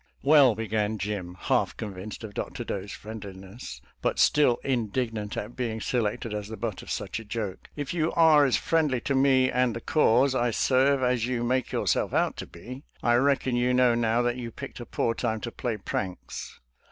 " Well," began Jim, half convinced of Dr. Doe's friendliness, but still indignant at being selected as the butt of such a joke, " if you are as friendly to me and the cause I serve as you make yourself out to be, I reckon you know now that you picked a poor time to play pranks."